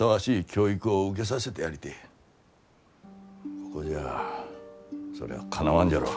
ここじゃあそりゃあかなわんじゃろう。